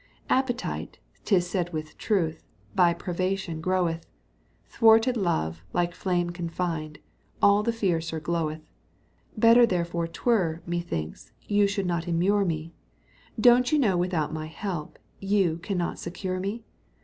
Appetite, 'tis said with truth, By privation groweth; Thwarted love, like flame confined, All the fiercer gloweth. Better therefore 'twere, methinks, You should not immure me: Don't you know without my help You can not secure me?